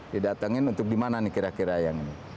didatengin untuk dimana nih kira kira yang ini